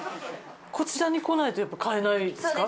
こちらに来ないとやっぱ買えないですか？